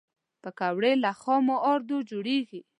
پکورې له خام آردو جوړېږي